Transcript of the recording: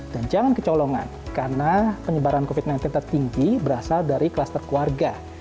dan jangan kecolongan karena penyebaran covid sembilan belas tertinggi berasal dari kluster keluarga